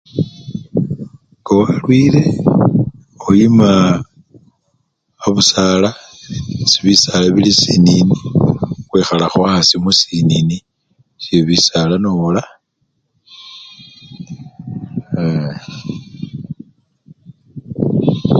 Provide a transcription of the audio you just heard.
Nga walwile oyima akusala esii bisaala bili sinini wekhalakho asii musinini syebisala nowola ee!.